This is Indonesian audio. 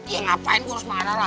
yang ngapain gua harus marah lah